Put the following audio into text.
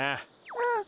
うん。